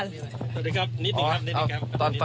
สวัสดีครับนิดหน่อยครับ